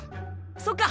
そっか。